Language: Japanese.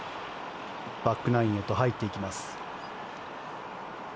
バックナインへと入っていきます。